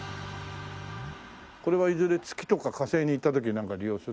これはいずれ月とか火星に行った時になんか利用する？